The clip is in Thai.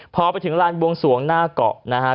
พอไปถึงลานบวงสวงหน้าเกาะนะฮะ